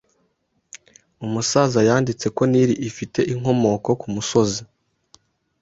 Umusaza yanditse ko Nili ifite inkomoko kumusozi